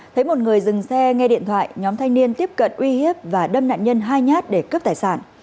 thấy một người dừng xe nghe điện thoại nhóm thanh niên tiếp cận uy hiếp và đâm nạn nhân hai nhát để cướp tài sản